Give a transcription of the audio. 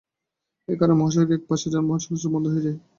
এ কারণে মহাসড়কের এক পাশে যানবাহন চলাচল বন্ধ হয়ে যায়।